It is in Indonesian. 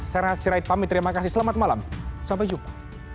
saya rehat sirait pamit terima kasih selamat malam sampai jumpa